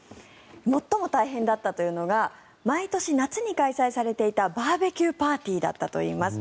最も大変だったというのが毎年夏に開催されていたバーベキューパーティーだったといいます。